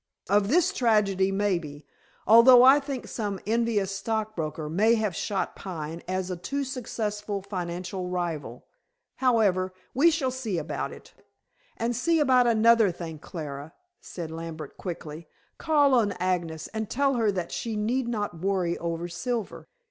Of this tragedy maybe, although I think some envious stockbroker may have shot Pine as a too successful financial rival. However, we shall see about it." "And see about another thing, Clara," said Lambert quickly. "Call on Agnes and tell her that she need not worry over Silver.